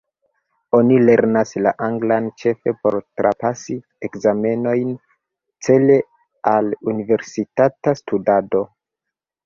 Oni lernas la anglan ĉefe por trapasi ekzamenojn cele al universitata studado.